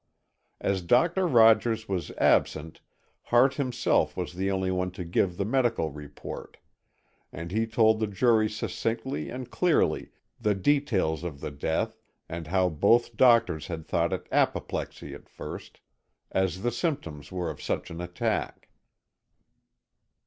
As Doctor Rogers was absent, Hart himself was the only one to give the medical report, and he told the jury succinctly and clearly the details of the death and how both doctors had thought it apoplexy at first, as the symptoms were of such an attack.